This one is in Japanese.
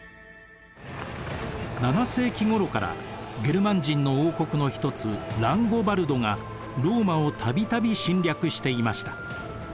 ７世紀ごろからゲルマン人の王国の一つランゴバルドがローマをたびたび侵略していました。